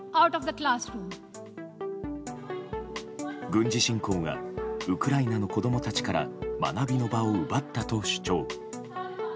軍事侵攻がウクライナの子供たちから学びの場を奪ったと主張。